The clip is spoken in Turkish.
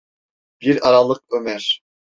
Bir aralık Ömer: